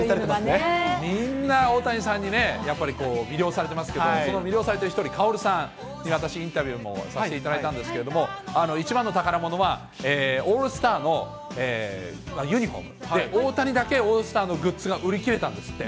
みんな、大谷さんにね、みんな魅了されてますけど、その魅了されている一人、カオルさんに私インタビューもさせていただいたんですけど、一番の宝物は、オールスターのユニホーム、大谷だけオールスターのグッズが売り切れたんですって。